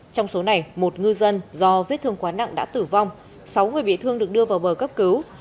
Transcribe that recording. trong số này một ngư dân do vết thương quá nặng đã tử vong sáu người bị thương được đưa vào bờ cấp cứu